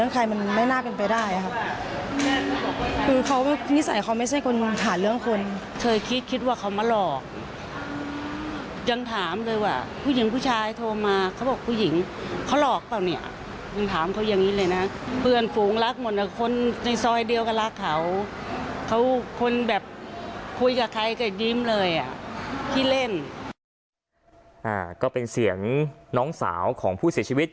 ก็เป็นเสียงน้องสาวของผู้เสียชีวิต